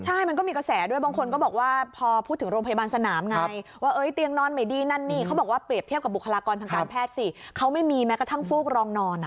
ใช่มันก็มีกระแสด้วยบางคนก็บอกว่าพอพูดถึงโรงพยาบาลสนามไงว่าเตียงนอนไม่ดีนั่นนี่เขาบอกว่าเปรียบเทียบกับบุคลากรทางการแพทย์สิเขาไม่มีแม้กระทั่งฟูกรองนอน